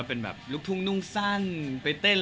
ครอบครัวมีน้องเลยก็คงจะอยู่บ้านแล้วก็เลี้ยงลูกให้ดีที่สุดค่ะ